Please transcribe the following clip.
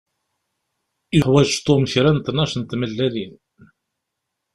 Yuḥwaǧ Tom kra n tnac n tmellalin.